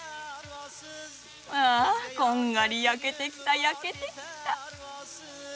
ああこんがり焼けてきた焼けてきた。